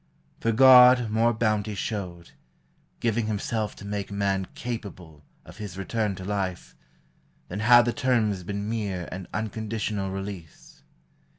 For God more bounty showed, Giving himself to make man capable Of his return to life, than had the terms Been mere and unconditional release.